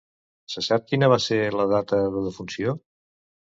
Se sap quina va ser la data de defunció?